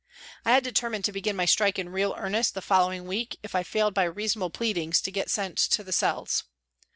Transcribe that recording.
I had determined to begin my strike in real earnest the following week if I failed by reasonable pleadings to get sent to the cells.